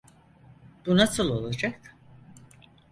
Bu nasıl olacak?